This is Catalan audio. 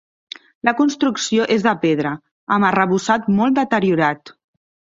La construcció és de pedra, amb arrebossat molt deteriorat.